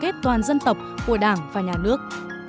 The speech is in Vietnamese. kết toàn dân tộc của đảng và nhà nước